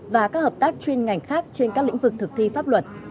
và các hợp tác chuyên ngành khác trên các lĩnh vực thực thi pháp luật